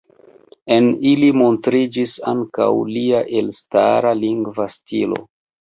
En ili montriĝis ankaŭ lia elstara lingva stilo.